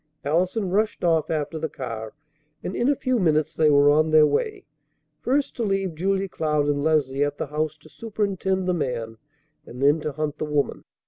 Allison rushed off after the car, and in a few minutes they were on their way, first to leave Julia Cloud and Leslie at the house to superintend the man, and then to hunt the woman.